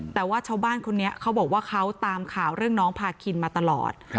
แต่ว่าชาวบ้านคนนี้เขาบอกว่าเขาตามข่าวเรื่องน้องพาคินมาตลอด